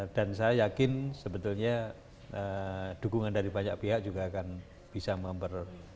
dan saya yakin sebetulnya dukungan dari banyak pihak juga akan bisa member